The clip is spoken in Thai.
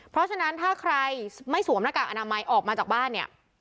เพราะฉะนั้นถ้าใครไม่สวมหน้ากากอนามัยออกมาจากบ้านเนี่ย